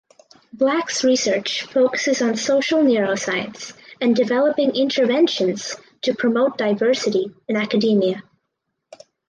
Black’s research focuses on social neuroscience and developing interventions to promote diversity in academia.